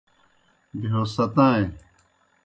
بہیو ستائیں۔